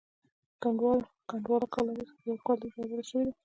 کنډواله کلا اوس په یوه کلي بدله شوې ده.